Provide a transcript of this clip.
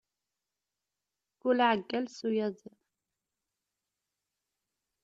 Kul aɛeggal s uyaziḍ.